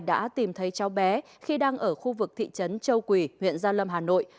đã tìm thấy cháu bé khi đang ở khu vực thị trấn châu quỳ huyện gia lâm hà nội